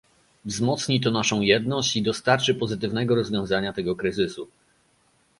Wzmocni to naszą jedność i dostarczy pozytywnego rozwiązania tego kryzysu